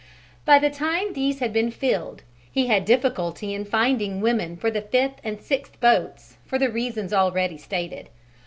By the time these had been filled, he had difficulty in finding women for the fifth and sixth boats for the reasons already stated.